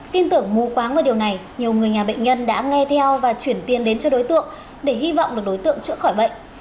tin tưởng mù quáng vào điều này nhiều người nhà bệnh nhân đã nghe theo và chuyển tiền đến cho đối tượng để hy vọng được đối tượng chữa khỏi bệnh